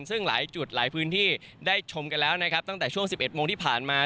ซึ่งหลายจุดหลายพื้นที่ได้ชมกันแล้วนะครับตั้งแต่ช่วง๑๑โมงที่ผ่านมา